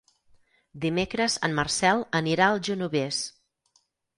Dimecres en Marcel anirà al Genovés.